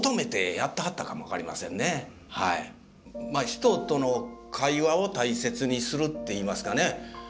まあ人との会話を大切にするっていいますかね